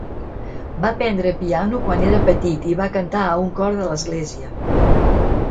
Va aprendre piano quan era petit i va cantar a un cor d'església.